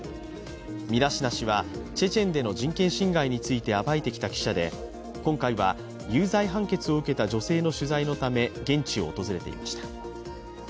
ミラシナ氏はチェチェンでの人権侵害について暴いてきた記者で今回は、有罪判決を受けた女性の取材のため現地を訪れていました。